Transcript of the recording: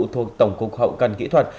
thuộc tổng cục hậu cần kỹ thuật